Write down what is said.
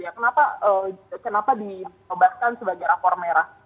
kenapa dikeluarkan sebagai rapor merah